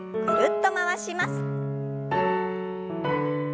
ぐるっと回します。